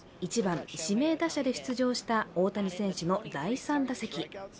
１番・指名打者で出場した大谷選手の第３打席。